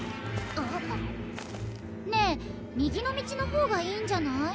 ねえ右の道の方がいいんじゃない？